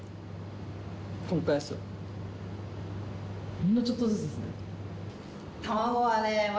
ほんのちょっとずつですね。